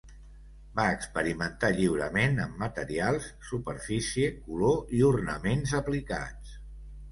Va experimentar lliurement amb materials, superfície, color i ornaments aplicats.